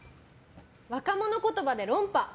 若者言葉で論破！